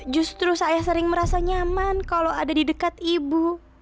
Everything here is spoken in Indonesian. justru saya sering merasa nyaman kalau ada di dekat ibu